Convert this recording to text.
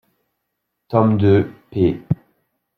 Tome deux, p.